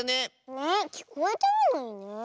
ねえきこえてるのにね。